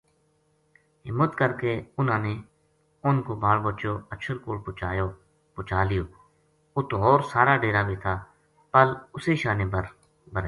ہمت کر کے اِنھاں نے اُنھ کو بال بچو اَچھر کول پوہچا لیو اُت ہور سارا ڈیرا بے تھا پل اُسے شانے بر